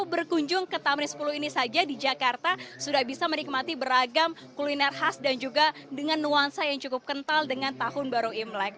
berkunjung ke tamrin sepuluh ini saja di jakarta sudah bisa menikmati beragam kuliner khas dan juga dengan nuansa yang cukup kental dengan tahun baru imlek